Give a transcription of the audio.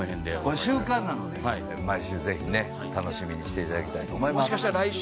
毎週ぜひね楽しみにしていただきたいと思います。